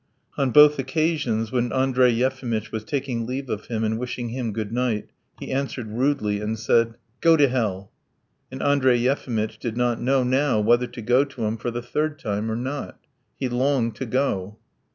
On both occasions when Andrey Yefimitch was taking leave of him and wishing him good night, he answered rudely and said: "Go to hell!" And Andrey Yefimitch did not know now whether to go to him for the third time or not. He longed to go.